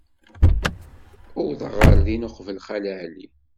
Uwḍeɣ ɣer din uqbel Xali Ɛli.